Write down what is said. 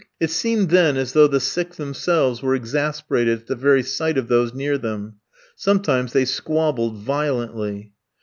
It seemed, then, as though the sick themselves were exasperated at the very sight of those near them. Sometimes they squabbled violently.